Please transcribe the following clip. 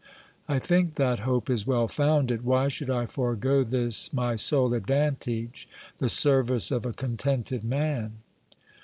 I think that hope is well founded. Why should I forego this my sole advantage, the service of a contented man